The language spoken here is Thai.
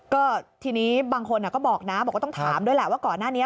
ก็ทีนี้บางคนก็บอกนะบอกว่าต้องถามด้วยแหละว่าก่อนหน้านี้